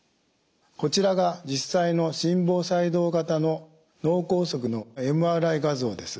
こちらが実際の心房細動型の脳梗塞のＭＲＩ画像です。